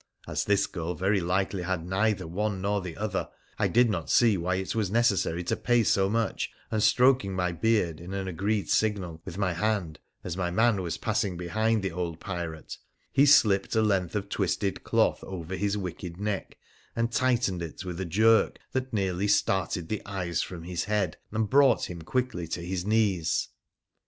As this girl very likely had neither one nor the other, I did not see why it was necessary to pay so much, and stroking my beard, in an agreed signal, with my hand, as my man was passing behind the old pirate he slipped a length of twisted cloth over bis wicked neck and tightened it with a jerk that nearly started the eyes from his head, and brought him quickly to his knees.